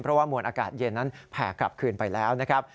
เพราะว่ามวลอากาศเย็นนั้นแผ่กลับคืนไปแล้วนะครับ